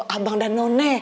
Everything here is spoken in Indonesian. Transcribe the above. abang dan none